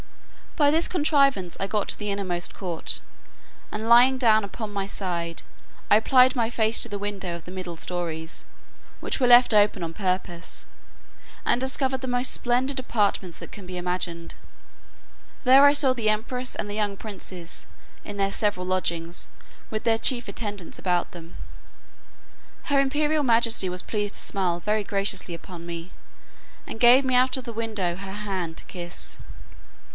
By this contrivance I got into the inmost court; and, lying down upon my side, I applied my face to the windows of the middle stories, which were left open on purpose, and discovered the most splendid apartments that can be imagined. There I saw the empress and the young princes, in their several lodgings, with their chief attendants about them. Her imperial majesty was pleased to smile very graciously upon me, and gave me out of the window her hand to kiss.